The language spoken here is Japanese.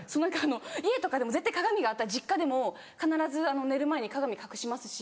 家とかでも絶対鏡があったら実家でも必ず寝る前に鏡隠しますし。